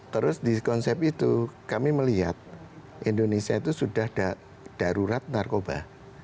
terus di konsep itu kami melihat indonesia itu sudah darurat narkoba